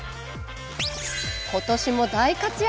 今年も大活躍